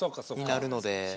になるので。